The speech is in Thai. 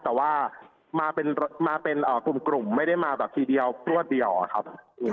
แต่ว่ามาเป็นกลุ่มไม่ได้มาแบบทีเดียวพลวดเดียวอะครับ